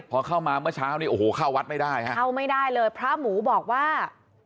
พอเข้ามาเมื่อเช้านี้โอ้โหเข้าวัดไม่ได้ฮะเข้าไม่ได้เลยพระหมูบอกว่า